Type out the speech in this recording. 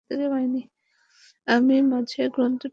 আমি মাঝের গ্রন্থিটির দিকে ইঙ্গিত করলাম।